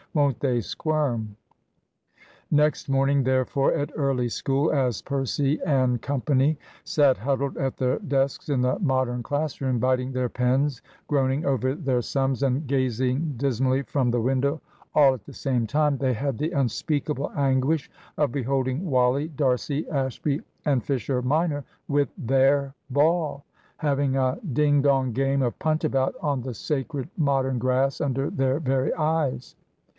Won't they squirm?" Next morning therefore at early school, as Percy and Company sat huddled at their desks in the Modern class room, biting their pens, groaning over their sums, and gazing dismally from the window all at the same time, they had the unspeakable anguish of beholding Wally, D'Arcy, Ashby, and Fisher minor, with their ball, having a ding dong game of punt about on the sacred Modern grass, under their very eyes.